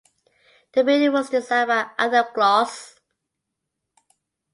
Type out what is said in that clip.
The Building was designed by Adolf Cluss.